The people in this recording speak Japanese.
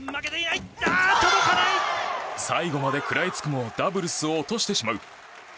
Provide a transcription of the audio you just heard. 最後まで食らいつくもダブルスを落としてしまう。